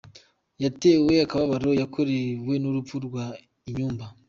yatewe akababaro gakomeye n’urupfu rwa Inyumba